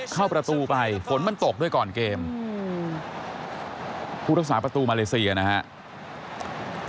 เข้าประตูไปฝนมันตกด้วยก่อนเกมผู้รักษาประตูมาเลเซียนะครับ